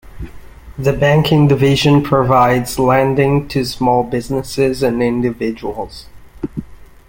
The Banking division provides lending to small businesses and individuals.